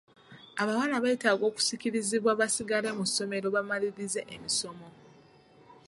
Abawala beetaaga okusikirizibwa basigale mu ssomero bamalirize emisomo.